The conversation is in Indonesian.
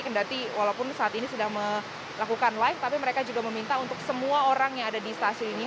dan jadi walaupun saat ini sudah melakukan live tapi mereka juga meminta untuk semua orang yang ada di stasiunnya